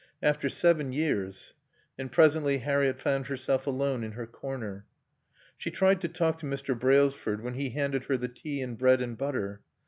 After seven years. And presently Harriett found herself alone in her corner. She tried to talk to Mr. Brailsford when he handed her the tea and bread and butter.